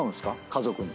家族に。